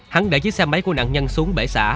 hắn để chiếc xe máy của nạn nhân xuống bể xã